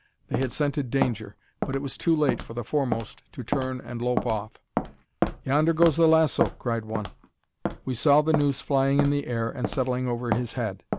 They had scented danger, but it was too late for the foremost to turn and lope off. "Yonder goes the lasso!" cried one. We saw the noose flying in the air and settling over his head.